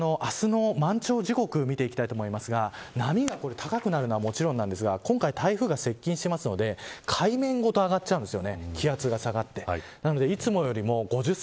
明日の満潮時刻を見ていきたいと思いますが波が高くなるのはもちろんなんですが今回、台風が接近するので海面ごと上がっちゃううんです